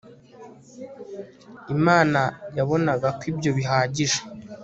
imana yabonaga ko ibyo bihagije